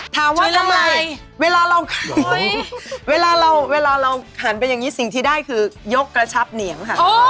ถามว่าทำไมเวลาเราเคยเวลาเราเวลาเราหันไปอย่างนี้สิ่งที่ได้คือยกกระชับเหนียงค่ะ